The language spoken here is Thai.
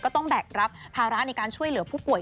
ต้องแบกรับภาระในการช่วยเหลือผู้ป่วย